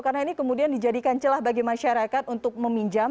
karena ini kemudian dijadikan celah bagi masyarakat untuk meminjam